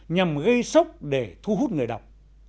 nhằm gây sốc để thu hút người đọc